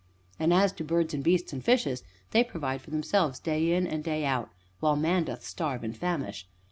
And, as to birds and beasts and fishes, they provide for themselves, day in and day out, while Man doth starve and famish!